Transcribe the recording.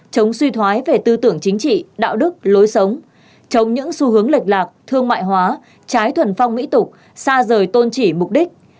chống suy thoái về tư tưởng chính trị đạo đức lối sống chống những xu hướng lệch lạc thương mại hóa trái thuần phong mỹ tục xa rời tôn trị mục đích